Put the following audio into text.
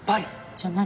じゃあ何？